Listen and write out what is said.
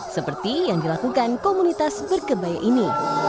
seperti yang dilakukan komunitas berkebaya ini